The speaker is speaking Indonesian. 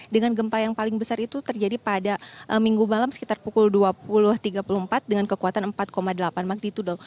dengan gempa yang paling besar itu terjadi pada minggu malam sekitar pukul dua puluh tiga puluh empat dengan kekuatan empat delapan magnitudo